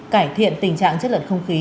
cải thiện tình trạng chất lượng không khí